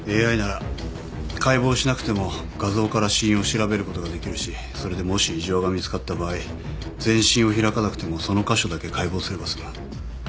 Ａｉなら解剖しなくても画像から死因を調べることができるしそれでもし異常が見つかった場合全身を開かなくてもその箇所だけ解剖すれば済む。